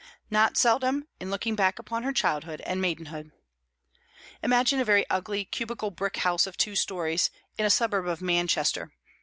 Not seldom, in looking back upon her childhood and maidenhood. Imagine a very ugly cubical brick house of two stories, in a suburb of Manchester.